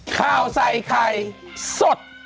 ข่าวใส่ไข่สด